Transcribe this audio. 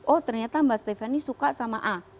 oh ternyata mbak stephanie suka sama a